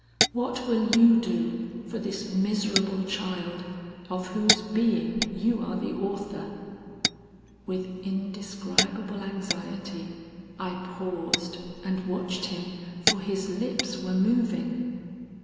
What will you do for this miserable child of whose being you are the author?' "With indescribable anxiety I paused and watched him, for his lips were moving.